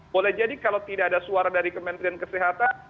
boleh jadi kalau tidak ada suara dari kementerian kesehatan